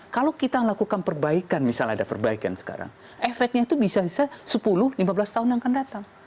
kalau kita melakukan perbaikan misalnya ada perbaikan sekarang efeknya itu bisa sepuluh lima belas tahun yang akan datang